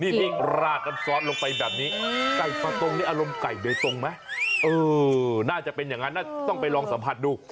นี่พี่ราดน้ำซอสลงไปแบบนี้ไก่ปลาตรงนี้อารมณ์ไก่เบตงไหมเออน่าจะเป็นอย่างนั้นนะต้องไปลองสัมผัสดู